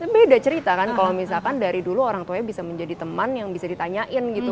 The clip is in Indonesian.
beda cerita kan kalau misalkan dari dulu orang tuanya bisa menjadi teman yang bisa ditanyain gitu